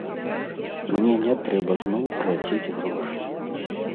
Мне не трэба зноў плаціць грошы.